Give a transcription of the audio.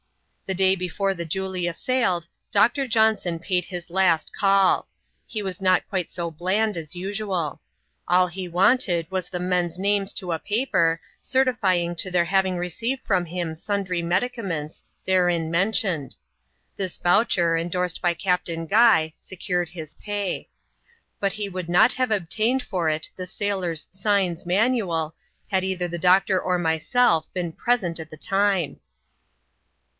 The day before the Julia sailed, Dr. Johnson paid his last call. He was not quite so bland as usual. All he wanted was the men's names to a paper, certifying to their having received from him sundry medicaments, therein mentioned. This voucher, endorsed by Captain Guy, secured his pay. But he would not have obtained for it the sailors' signs manual, had either the doctor or myself been present at the time.